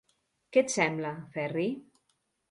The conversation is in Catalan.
Què et sembla, Ferri?